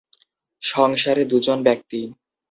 সংসারে দুজন ব্যক্তি।